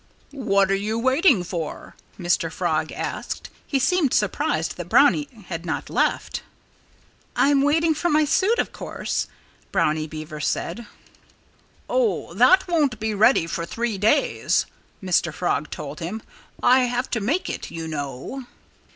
"What are you waiting for?" Mr. Frog asked. He seemed surprised that Brownie had not left. "I'm waiting for my suit, of course," Brownie Beaver said. "Oh! That won't be ready for three days," Mr. Frog told him. "I have to make it, you know."